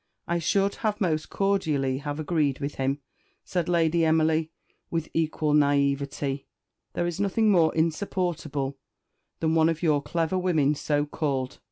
"I should most cordially have agreed with him," said Lady Emily, with equal naïveté. "There is nothing more insupportable than one of your clever women, so called.